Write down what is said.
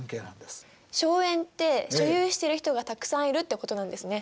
荘園って所有してる人がたくさんいるってことなんですね。